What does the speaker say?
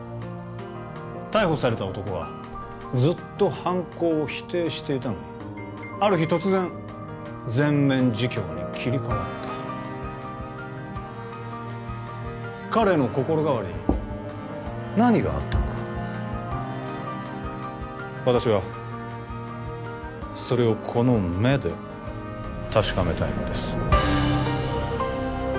逮捕された男はずっと犯行を否定していたのにある日突然全面自供に切り替わった彼の心変わりに何があったのか私はそれをこの目で確かめたいのです